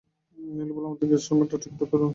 নীলু বলল, আমাদের গেষ্টরুমটা ঠিকঠাক করে রেখেছি।